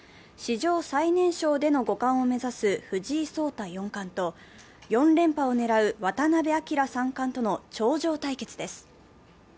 史上最年少での五冠を目指す藤井聡太四冠と４連覇を狙う渡辺明三冠との頂上対決です。